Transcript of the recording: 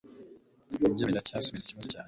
Ibyo biracyasubiza ikibazo cyanjye